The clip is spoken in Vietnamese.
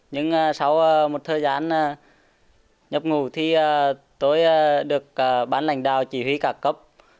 nhưng sau một thời gian nhập ngủ thì tôi được bán lãnh đạo chỉ huy cả cấp